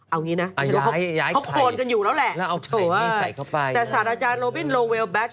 เอางี้นะเขาโครนกันอยู่แล้วแหละแต่ศาสตร์อาจารย์โลบินโลเวลแท็ก